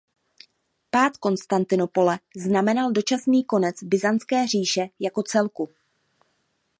Pád Konstantinopole znamenal dočasný konec byzantské říše jako celku.